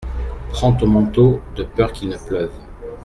Prends ton manteau de peur qu’il ne pleuve.